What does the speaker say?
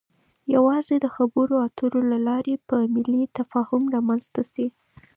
يوازې د خبرو اترو له لارې به ملی تفاهم رامنځته شي.